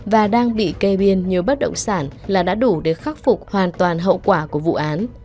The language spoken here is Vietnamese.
và đang bị kê biên nhiều bất động sản là đã đủ để khắc phục hoàn toàn hậu quả của vụ án